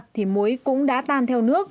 thì muối cũng đã tan theo nước